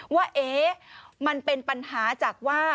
ว่ามันเป็นปัญหาจากว่า